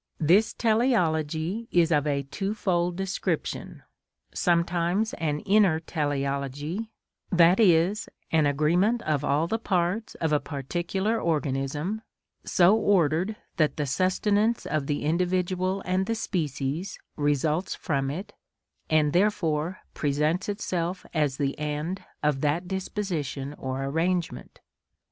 This teleology is of a twofold description; sometimes an inner teleology, that is, an agreement of all the parts of a particular organism, so ordered that the sustenance of the individual and the species results from it, and therefore presents itself as the end of that disposition or arrangement.